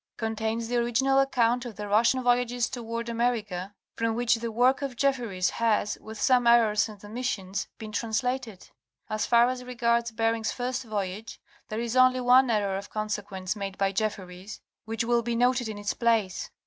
1 304, 1758) contains the original account of the Russian Voyages toward America from which the work of Jefferys has, with some errors and omissions, been translated. As far as regards Bering's first voyage, there is only one error of consequence made by Jefferys, which will be noted in its place.